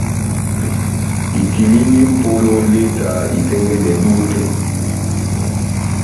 Itilindi mʼpolo leta itɛ́ngɛ́nɛ dutɛ.